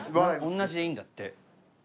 同じでいいんだって。